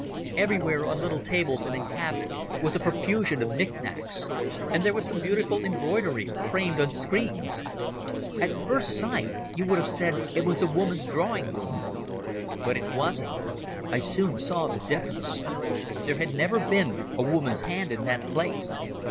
Everywhere on little tables and in cabinets was a profusion of knickknacks, and there was some beautiful embroidery framed on screens. At first sight you would have said it was a woman's drawing room. But it wasn't. I soon saw the difference. There had never been a woman's hand in that place.